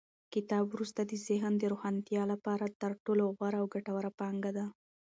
کتاب د ذهن د روښانتیا لپاره تر ټولو غوره او ګټوره پانګه ده.